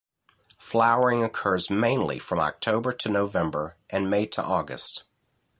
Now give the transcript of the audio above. Flowering occurs mainly from October to November and May to August.